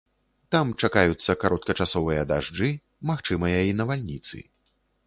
Там чакаюцца кароткачасовыя дажджы, магчымыя і навальніцы.